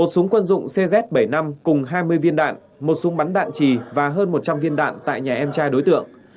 một súng quân dụng cz bảy mươi năm cùng hai mươi viên đạn một súng bắn đạn trì và hơn một trăm linh viên đạn tại nhà em trai đối tượng